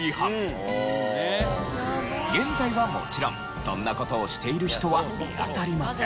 現在はもちろんそんな事をしている人は見当たりません。